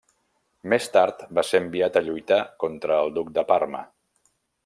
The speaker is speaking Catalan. Més tard, va ser enviat a lluitar contra el duc de Parma.